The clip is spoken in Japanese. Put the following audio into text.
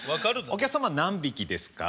お客様何匹ですか？